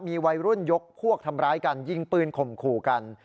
มีวัยรุ่นยกพวกทำร้ายกันยิงปืนข่มขู่กัน